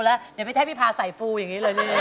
อเรนนี่คือเหตุการณ์เริ่มต้นหลอนช่วงแรกแล้วมีอะไรอีก